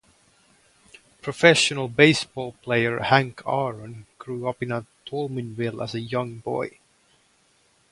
Professional baseball player Hank Aaron grew up in Toulminville as a young boy.